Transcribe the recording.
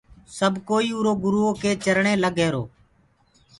سب ڪوئی اُرو گروئو ڪي چرڻي لگ رهير۔